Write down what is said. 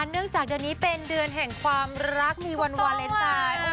เนื่องจากเดือนนี้เป็นเดือนแห่งความรักมีวันวาเลนไทย